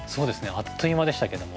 あっという間でしたけども。